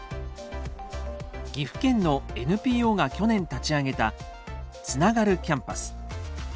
岐阜県のＮＰＯが去年立ち上げた「つながるキャンパス」。